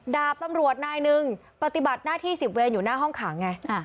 ดาบตำรวจนายหนึ่งปฏิบัติหน้าที่๑๐เวนอยู่หน้าห้องขังไง